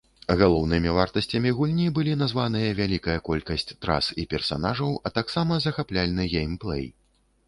Галоўнымі вартасцямі гульні былі названыя вялікая колькасць трас і персанажаў, а таксама захапляльны геймплэй.